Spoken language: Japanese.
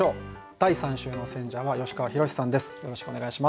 第３週の選者は吉川宏志さんです。